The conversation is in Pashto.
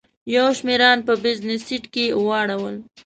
یو شمېر ان په بزنس سیټ کې واړول.